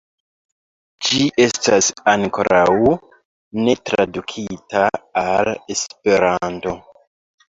Ĝi estas ankoraŭ ne tradukita al Esperanto.